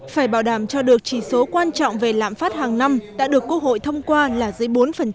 phải bảo đảm cho được chỉ số quan trọng về lạm phát hàng năm đã được quốc hội thông qua là dưới bốn